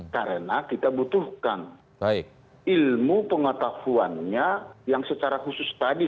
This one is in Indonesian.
karena kita butuhkan ilmu pengetahuannya yang secara khusus tadi